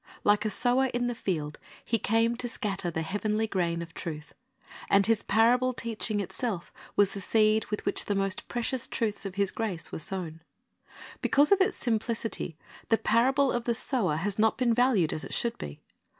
Like a sower in the field, He came to scatter the heavenly grain of truth. And His parable teaching itself was the seed with which the most precious truths of His grace were sown. Because of its simplicity the parable of the sower has not been valued as it should be.